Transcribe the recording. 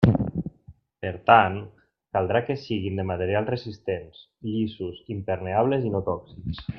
Per tant, caldrà que siguin de materials resistents, llisos, impermeables i no tòxics.